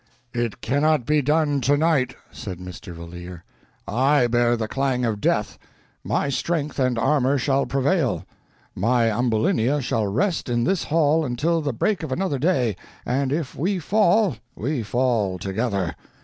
"It cannot be done tonight," said Mr. Valeer. "I bear the clang of death; my strength and armor shall prevail. My Ambulinia shall rest in this hall until the break of another day, and if we fall, we fall together.